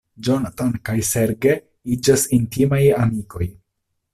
Jonathan kaj Serge iĝas intimaj amikoj.